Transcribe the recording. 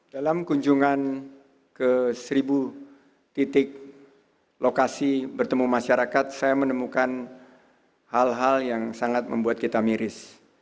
dalam kunjungan ke seribu titik lokasi bertemu masyarakat saya menemukan hal hal yang sangat membuat kita miris